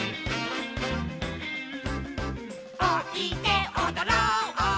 「おいでおどろう」